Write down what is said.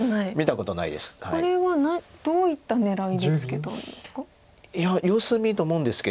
これはどういった狙いでツケたんですか？